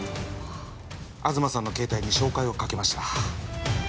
東さんの携帯に照会をかけました。